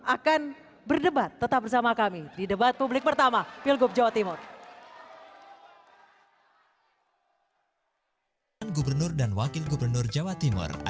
akan berdebat tetap bersama kami di debat publik pertama pilgub jawa timur